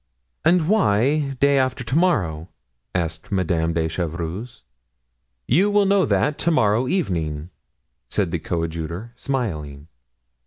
"And why day after to morrow?" asked Madame de Chevreuse. "You will know that to morrow evening," said the coadjutor, smiling.